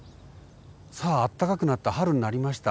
さああったかくなった春になりました。